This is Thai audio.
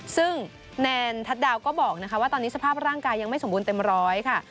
ซึ่งแนนทัศน์ดาวก็บอกว่าตอนนี้สภาพร่างกายยังไม่สมบูรณ์เต็มร้อยค่ะ